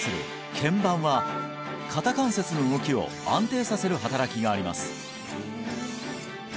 腱板は肩関節の動きを安定させる働きがあります